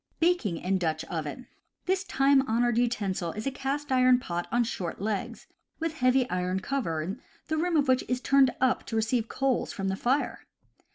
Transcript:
Baking in Dutch Oven. — This time honored utensil is a cast iron pot on short legs, with heavy iron cover, the rim of which is turned up to receive coals from the fire.